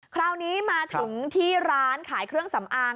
คราวนี้มาถึงที่ร้านขายเครื่องสำอาง